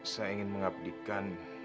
saya ingin mengabdikan